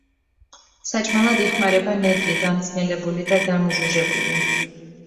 საჭმელად იხმარება ნედლი, დამწნილებული და დამუჟუჟებული.